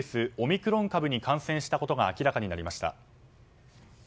クロン株に感染したことが明らかになりました。